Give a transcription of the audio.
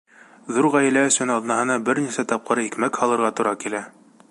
Ҙур ғаилә өсөн аҙнаһына бер нисә тапҡыр икмәк һалырға тура килә.